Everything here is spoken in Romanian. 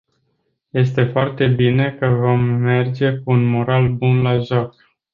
Este foarte bine că vom merge cu un moral bun la joc.